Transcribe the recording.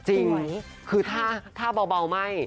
จริงคือถ้าเบาไม่